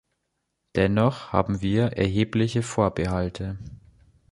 Dennoch haben wir erhebliche Vorbehalte.